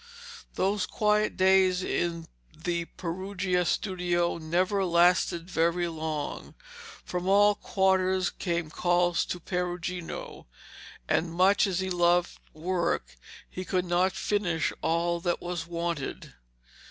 Those quiet days in the Perugia studio never lasted very long. From all quarters came calls to Perugino, and, much as he loved work, he could not finish all that was wanted.